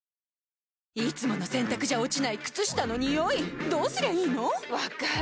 いつもの洗たくじゃ落ちない靴下のニオイどうすりゃいいの⁉分かる。